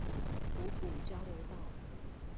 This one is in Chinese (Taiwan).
五股交流道